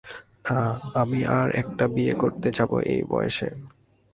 না, আমি আর একটা বিয়ে করতে যাব এই বয়েসে।